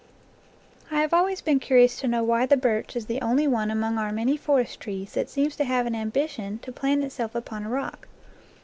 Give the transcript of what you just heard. I have always been curious to know why the birch is the only one among our many forest trees that seems to have an ambition to plant itself upon a rock.